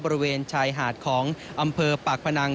บริเวณชายหาดของอำเภอปากพนัง